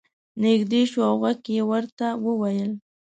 نږدې شو او غوږ کې یې ورته وویل.